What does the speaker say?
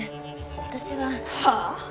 私は。はあ？